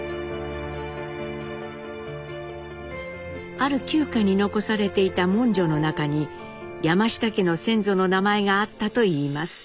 ある旧家に残されていた文書の中に山下家の先祖の名前があったといいます。